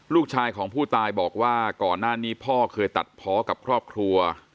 ลูกชายของผู้ตายบอกว่าก่อนหน้านี้พ่อเคยตัดเพาะกับครอบครัว